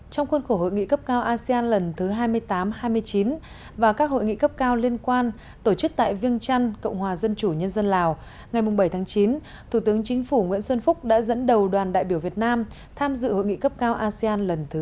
trong khuôn khổ hội nghị cấp cao asean lần thứ hai mươi tám hai mươi chín và các hội nghị cấp cao liên quan tổ chức tại viêng trăn cộng hòa dân chủ nhân dân lào ngày bảy tháng chín thủ tướng chính phủ nguyễn xuân phúc đã dẫn đầu đoàn đại biểu việt nam tham dự hội nghị cấp cao asean lần thứ chín